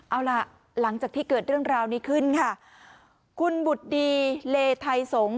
เอาล่ะหลังจากที่เกิดเรื่องราวนี้ขึ้นค่ะคุณบุตรดีเลไทยสงศ์